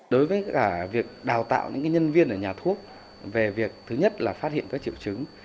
đối với cả việc đào tạo những nhân viên ở nhà thuốc về việc thứ nhất là phát hiện các triệu chứng